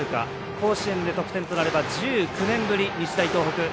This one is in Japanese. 甲子園で得点となれば１９年ぶり、日大東北。